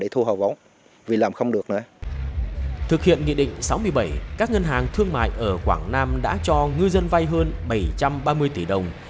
thực hiện nghị định sáu mươi bảy các ngân hàng thương mại ở quảng nam đã cho ngư dân vay hơn bảy trăm ba mươi tỷ đồng